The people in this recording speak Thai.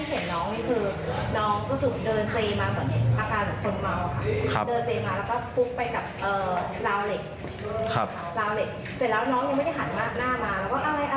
พักมาเลยว่าอะไรแตกอะไรแตกก็เลยเอาน้องไปนั่ง